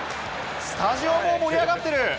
スタジオも盛り上がってる。